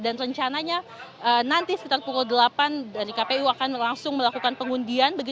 dan rencananya nanti sekitar pukul delapan dari kpu akan langsung melakukan pengundian